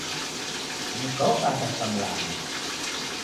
Mka wobanda sa mlamba.